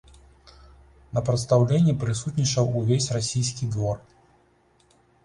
На прадстаўленні прысутнічаў увесь расійскі двор.